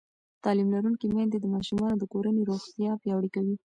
تعلیم لرونکې میندې د ماشومانو د کورنۍ روغتیا پیاوړې کوي.